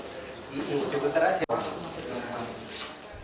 ini cukup terasa